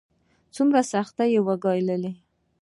څومره سختۍ يې وګاللې.